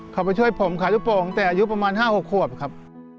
เขาไปช่วยผมขายลูกโป่งแต่อายุประมาณ๕๖ขวบครับ